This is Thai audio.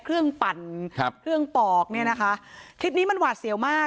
ปั่นครับเครื่องปอกเนี่ยนะคะคลิปนี้มันหวาดเสียวมาก